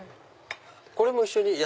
これも一緒に？